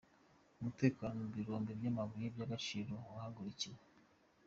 Umutekano mu birombe by’amabuye y’agaciro warahagurukiwe